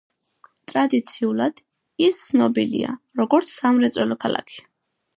ტრადიციულად, ის ცნობილია, როგორც სამრეწველო ქალაქი.